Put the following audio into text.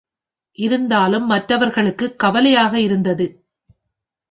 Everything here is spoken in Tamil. இருந்தாலும் மற்றவர்களுக்குக் கவலையாக இருந்தது.